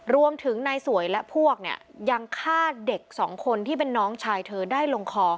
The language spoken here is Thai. รวมถึงนายสวยและพวกเนี่ยยังฆ่าเด็กสองคนที่เป็นน้องชายเธอได้ลงคอ